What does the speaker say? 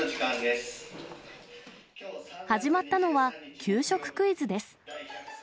始まったのは、給食クイズです。